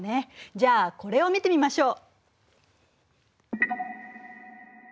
じゃあこれを見てみましょう。